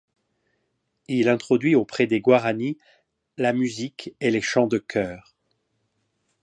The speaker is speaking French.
Il introduit auprès des Guaranis la musique et les chants de chœur.